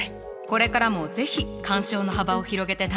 これからも是非鑑賞の幅を広げて楽しんで！